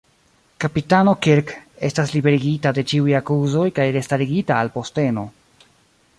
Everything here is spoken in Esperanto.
Kapitano Kirk estas liberigita de ĉiuj akuzoj kaj restarigita al posteno.